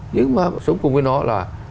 nhưng mà sống cùng với nó là